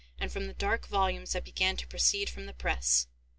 and from the dark volumes that began to proceed from the press.